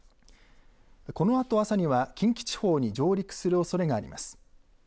このあと朝には近畿地方に上陸するおそれがあります。